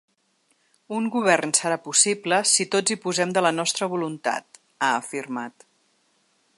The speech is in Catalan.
“Un govern serà possible si tots hi posem de la nostra voluntat”, ha afirmat.